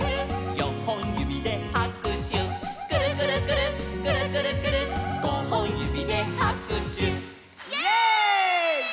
「よんほんゆびではくしゅ」「くるくるくるっくるくるくるっ」「ごほんゆびではくしゅ」イエイ！